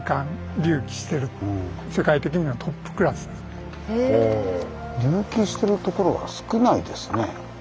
隆起してるところが少ないですね。